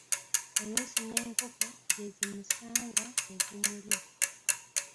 Oluusi n'enkoko gye zimusanga nezimulya.